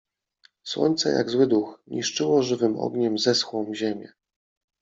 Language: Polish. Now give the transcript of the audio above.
Słońce, jak zły duch, niszczyło żywym ogniem zeschłą ziemię.